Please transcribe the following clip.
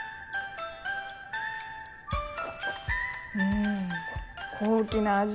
うん高貴な味。